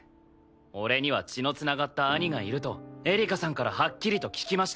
俺には血の繋がった兄がいるとエリカさんからはっきりと聞きました。